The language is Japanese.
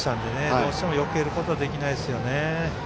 どうしても、よけることはできないですよね。